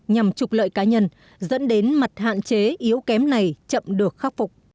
nhằm trục lợi cá nhân dẫn đến mặt hạn chế yếu kém này chậm được khắc phục